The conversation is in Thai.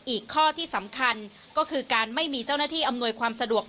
อีกข้อที่สำคัญก็คือการไม่มีเจ้าหน้าที่อำนวยความสะดวก